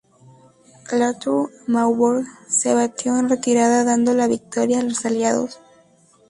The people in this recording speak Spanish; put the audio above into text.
Latour-Maubourg se batió en retirada, dando la victoria a los aliados.